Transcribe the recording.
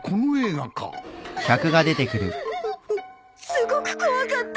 すごく怖かった！